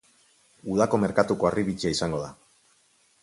Udako merkatuko harribitxia izango da.